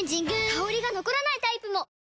香りが残らないタイプも！